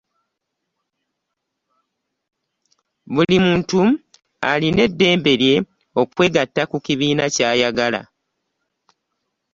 Buli muntu alina eddembe lye okwegatta ku kibiina kyayagala.